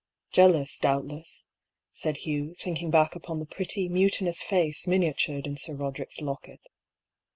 "Jealous, doubtless," said Hugh, thinking back upon the pretty, mutinous face, miniatured in Sir Roderick's locket.